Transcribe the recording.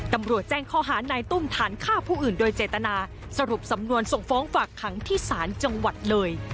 ตำรวจแจ้งข้อหานายตุ้มฐานฆ่าผู้อื่นโดยเจตนาสรุปสำนวนส่งฟ้องฝากขังที่ศาลจังหวัดเลย